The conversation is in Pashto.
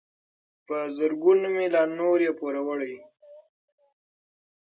په زرګونو مي لا نور یې پوروړی